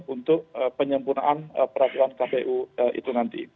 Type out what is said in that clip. untuk penyempurnaan peraturan kpu itu nanti